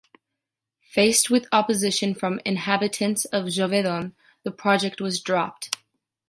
Faced with opposition from inhabitants of Gévaudan, the project was dropped.